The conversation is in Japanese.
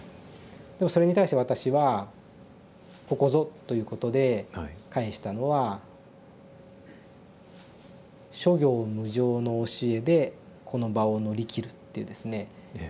でもそれに対して私は「ここぞ」ということで返したのは「諸行無常の教えでこの場を乗り切る」っていうですね。